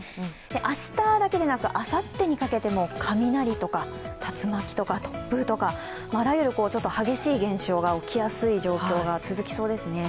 明日だけでなく、あさってにかけても雷とか竜巻とか突風とかあらゆる激しい現象が起きやすい状況が続きそうですね。